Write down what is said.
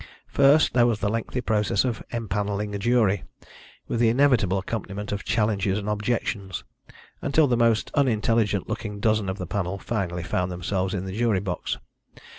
First there was the lengthy process of empanelling a jury, with the inevitable accompaniment of challenges and objections, until the most unintelligent looking dozen of the panel finally found themselves in the jury box.